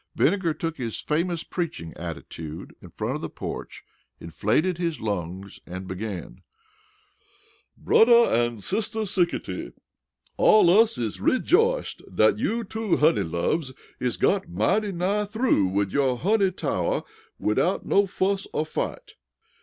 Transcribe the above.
Vinegar took his famous preaching attitude in front of the porch, inflated his lungs and began: "Brudder an' Sister Sickety, us is all rejoiced dat you two honey loves is got mighty nigh through wid yo' honey tower widout no fuss or fight.